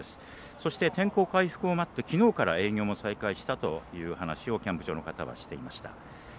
そして、天候回復を待ってきのうから営業も再開したという話をキャンプ場の方はしていました。